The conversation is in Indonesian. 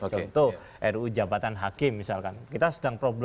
contoh ruu jabatan hakim misalkan